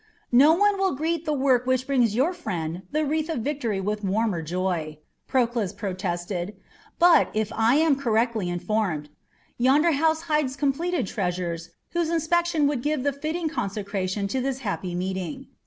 "No one will greet the work which brings your friend the wreath of victory with warmer joy," Proclus protested. "But, if I am correctly informed, yonder house hides completed treasures whose inspection would give the fitting consecration to this happy meeting.